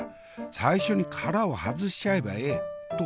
「最初に殻を外しちゃえばええ」と。